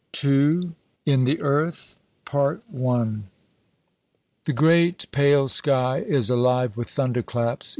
II In the Earth THE great pale sky is alive with thunderclaps.